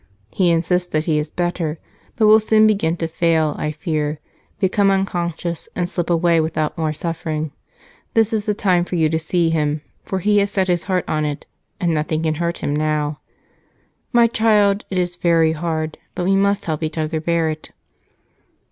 He insists that he is better, but he will soon begin to fail, I fear, become unconscious, and slip away without more suffering. This is the time for you to see him, for he has set his heart on it, and nothing can hurt him now. My child, it is very hard, but we must help each other bear it."